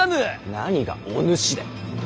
何が「お主」だい。